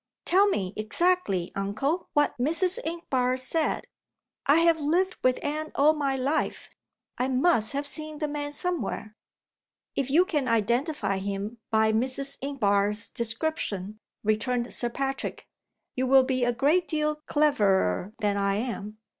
"Tell me exactly, uncle, what Mrs. Inchbare said. I have lived with Anne all my life. I must have seen the man somewhere." "If you can identify him by Mrs. Inchbare's description," returned Sir Patrick, "you will be a great deal cleverer than I am.